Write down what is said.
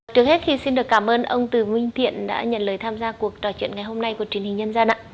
trước hết thì xin được cảm ơn ông từ nguyên thiện đã nhận lời tham gia cuộc trò chuyện ngày hôm nay của truyền hình nhân dân ạ